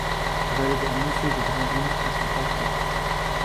Je vais aller voir monsieur de Grandville à son parquet.